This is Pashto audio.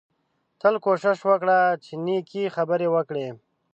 تل کوشش وکړه چې نېکې خبرې وکړې